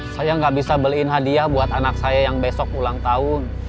saya nggak bisa beliin hadiah buat anak saya yang besok ulang tahun